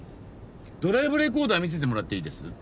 ドライブレコーダー見せてもらっていいです？